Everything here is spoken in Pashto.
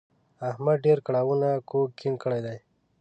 احمد ډېرو کړاوونو کوږ کیڼ کړی دی.